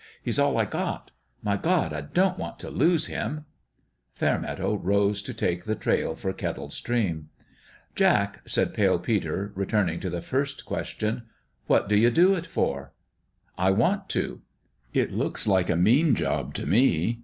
PALE PETER'S DONALD 137 He's all I got. My God, I don't want to lose him!" Fairmeadow rose to take the trail for Kettle Stream. " Jack," said Pale Peter, returning to the first question, " what do you do it for ?"" I want to." " It looks like a mean job to me."